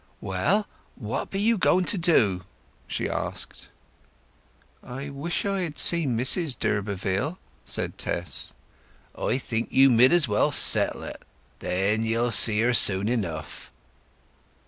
"Well, what be you going to do?" she asked. "I wish I had seen Mrs d'Urberville," said Tess. "I think you mid as well settle it. Then you'll see her soon enough."